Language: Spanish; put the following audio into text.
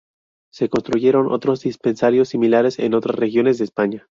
Se construyeron otros dispensarios similares en otras regiones de España.